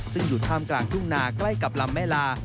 ซึ่งอยู่ท่ามกลางทุ่งนาใกล้กับลำแม่ลา